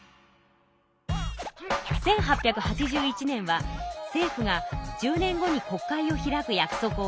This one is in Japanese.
１８８１年は政府が十年後に国会を開く約束をした年。